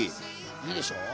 いいでしょ。